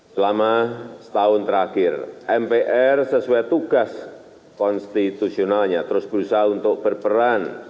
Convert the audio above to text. selama setahun terakhir mpr sesuai tugas konstitusionalnya terus berusaha untuk berperan